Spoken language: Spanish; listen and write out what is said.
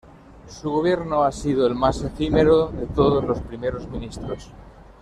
Su gobierno ha sido el más efímero de todos los Primeros Ministros.